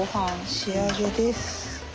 仕上げです。